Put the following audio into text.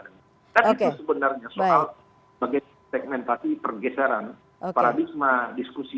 dan itu sebenarnya soal bagian segmentasi pergeseran paradigma diskusi